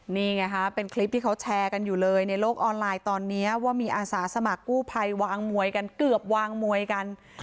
นี่ไงฮะเป็นคลิปที่เขาแชร์กันอยู่เลยในโลกออนไลน์ตอนนี้ว่ามีอาสาสมัครกู้ภัยวางมวยกันเกือบวางมวยกัน